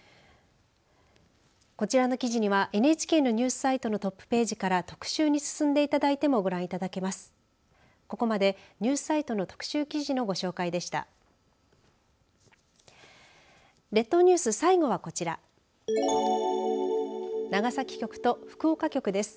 こちらの記事にはＮＨＫのニュースサイトのトップページから特集に進んでいただいてもご覧いただけます。